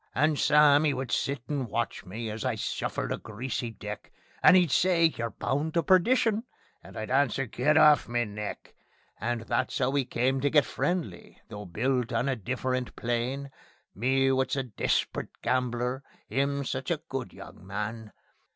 And Sam 'e would sit and watch me, as I shuffled a greasy deck, And 'e'd say: "You're bound to Perdition," And I'd answer: "Git off me neck!" And that's 'ow we came to get friendly, though built on a different plan, Me wot's a desprite gambler, 'im sich a good young man.